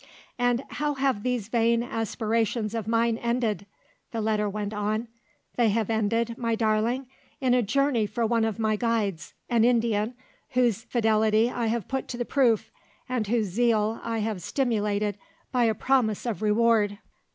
"And how have these vain aspirations of mine ended?" the letter went on. "They have ended, my darling, in a journey for one of my guides an Indian, whose fidelity I have put to the proof, and whose zeal I have stimulated by a promise of reward.